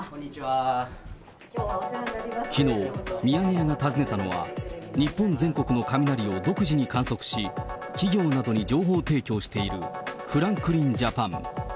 きのう、ミヤネ屋が訪ねたのは、日本全国の雷を独自に観測し、企業などに情報提供しているフランクリン・ジャパン。